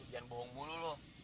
jangan bohong mulu lu